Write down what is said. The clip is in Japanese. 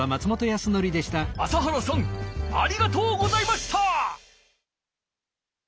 朝原さんありがとうございました！